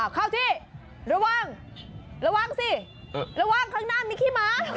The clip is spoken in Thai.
เข้าที่ระวังระวังสิระวังข้างหน้ามีขี้ม้า